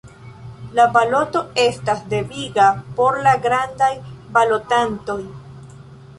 La baloto estas deviga por la grandaj balotantoj.